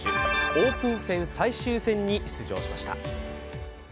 オープン戦最終戦に出場しました。